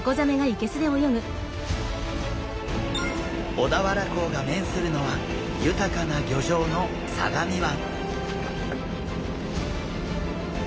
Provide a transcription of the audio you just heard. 小田原港が面するのは豊かな漁場の相模湾。